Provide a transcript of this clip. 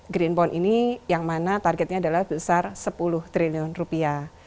green bond ini yang mana targetnya adalah besar sepuluh triliun rupiah